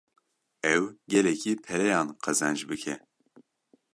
Ew gelekî pereyan qezenc bike.